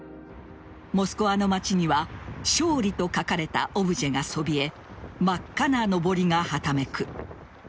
モスクワの街には勝利と書かれたオブジェがそびえ真っ赤なのぼりがはためく。